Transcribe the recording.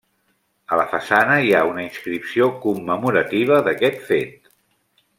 A la façana hi ha una inscripció commemorativa d'aquest fet.